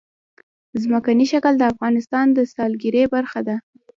ځمکنی شکل د افغانستان د سیلګرۍ برخه ده.